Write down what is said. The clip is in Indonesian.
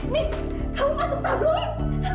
nis kamu masuk tabungin